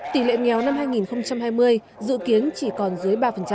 tỷ lệ nghèo năm hai nghìn hai mươi dự kiến chỉ còn dưới ba